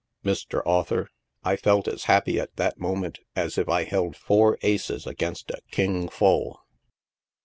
Mr. Author, I felt as happy at that moment as if I held four aces against a king full.